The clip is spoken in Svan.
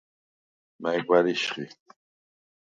მა̈ჲ გვა̈რიშ ხი?